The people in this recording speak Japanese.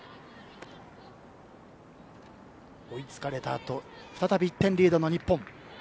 追いつかれたあと再び１点リードの日本。